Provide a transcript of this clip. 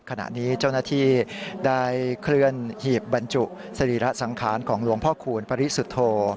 ขณะนี้เจ้าหน้าที่ได้เคลื่อนหีบบรรจุสรีระสังขารของหลวงพ่อคูณปริสุทธโธ